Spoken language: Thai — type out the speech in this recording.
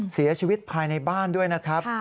เสียชีวิตภายในบ้านด้วยนะครับ